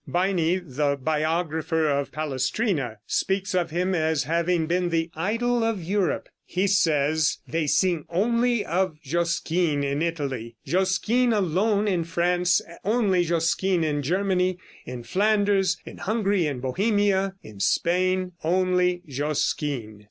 Baini, the biographer of Palestrina, speaks of him as having been the idol of Europe. He says: "They sing only Josquin in Italy; Josquin alone in France; only Josquin in Germany; in Flanders, in Hungary, in Bohemia, in Spain only Josquin."